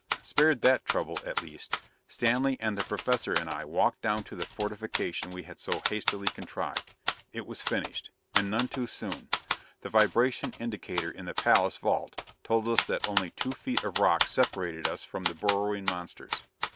Spared that trouble, at least, Stanley and the Professor and I walked down to the fortification we had so hastily contrived. It was finished. And none too soon: the vibration indicator in the palace vault told us that only two feet of rock separated us from the burrowing monsters!